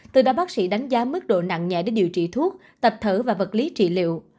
từ ba bác sĩ đánh giá mức độ nặng nhẹ để điều trị thuốc tập thở và vật lý trị liệu